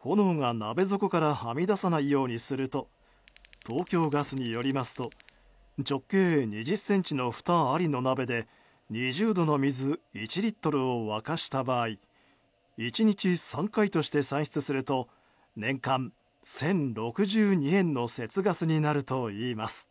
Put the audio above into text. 炎が鍋底からはみ出さないようにすると東京ガスによりますと直径２０ｃｍのふたありの鍋で２０度の水１リットルを沸かした場合１日３回として算出すると年間１０６２円の節ガスになるといいます。